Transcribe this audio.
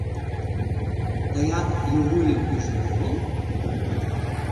Тыят лувуйым ӱжын тол...